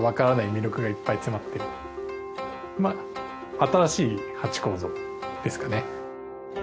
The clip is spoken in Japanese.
新しいハチ公像ですかね。